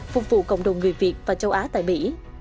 phục vụ cộng đồng người việt và châu á tại mỹ